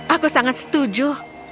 aku sangat setuju